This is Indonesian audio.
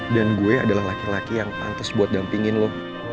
dan gue adalah laki laki yang pantas buat dampingin lo